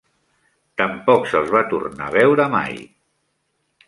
Tampoc se'ls va tornar a veure mai.